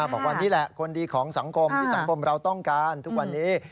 บอกว่านี่แหละคนดีของสังคมที่สังคมเราต้องการทุกวันนี้